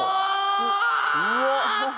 うわっ！